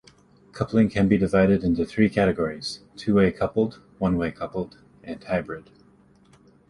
Coupling can be divided into three categories: two-way coupled, one-way coupled, and hybrid.